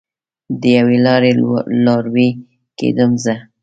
د یوې لارې لاروی کیدم زه